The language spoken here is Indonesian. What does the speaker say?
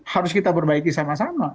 harus kita perbaiki sama sama